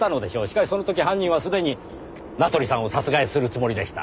しかしその時犯人はすでに名取さんを殺害するつもりでした。